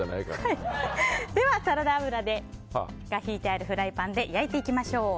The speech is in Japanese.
では、サラダ油が引いてあるフライパンで焼いていきましょう。